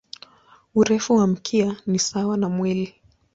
Urefu wa mkia ni sawa na mwili.